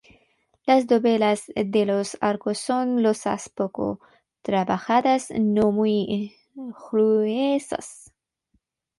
Las dovelas de los arcos son losas poco trabajadas, no muy gruesas.